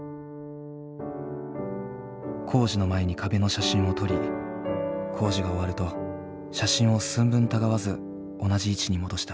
工事の前に壁の写真を撮り工事が終わると写真を寸分たがわず同じ位置に戻した。